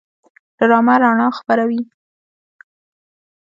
ډرامه رڼا خپروي